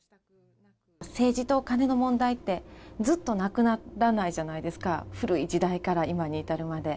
政治とカネの問題ってずっとなくならないじゃないですか、古い時代から今に至るまで。